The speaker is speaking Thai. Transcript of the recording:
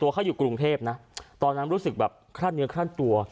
เขาอยู่กรุงเทพนะตอนนั้นรู้สึกแบบคลั่นเนื้อคลั่นตัว